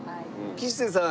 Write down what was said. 吉瀬さん